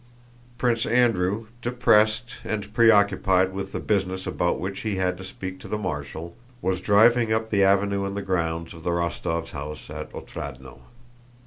Prince Andrew, depressed and preoccupied with the business about which he had to speak to the Marshal, was driving up the avenue in the grounds of the Rostóvs' house at Otrádnoe.